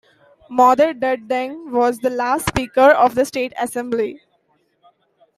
Madot Dut Deng was the last Speaker of the State Assembly.